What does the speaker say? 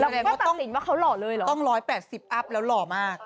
แล้วก็ต้องเห็นว่าเขาหล่อเลยเหรอต้อง๑๘๐อัพแล้วหล่อมาก